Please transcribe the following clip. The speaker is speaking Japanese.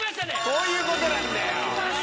こういうことなんだよ。